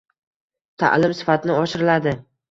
ta’lim sifatini oshiriladi.